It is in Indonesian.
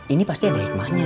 ini pasti ada hikmahnya